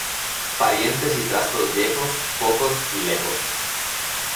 Parientes y trastos viejos, pocos y lejos.